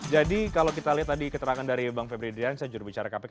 jadi kalau kita lihat tadi keterangan dari bang febri diansyah jurubicara kpk